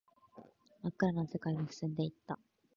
真っ暗な世界を進んでいった